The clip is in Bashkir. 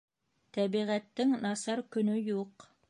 Тәбиғәттең насар көнө юҡ